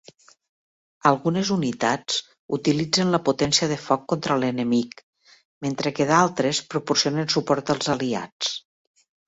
Algunes unitats utilitzen la potència de foc contra l'enemic, mentre que d'altres proporcionen suport als aliats.